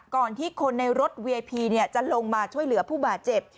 ก่อนที่คนในรถเวียพีจะลงมาช่วยเหลือผู้บาดเจ็บ